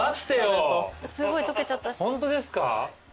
ホントですか？